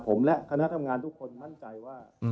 ผมและคณะทำงานทุกคนมั่นใจว่า